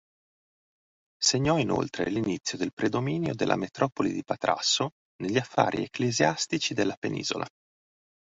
Segnò inoltre l'inizio del predominio della Metropoli di Patrasso negli affari ecclesiastici della penisola.